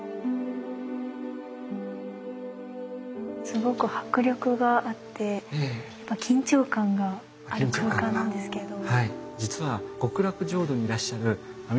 すごく迫力があってやっぱ緊張感がある空間なんですけど。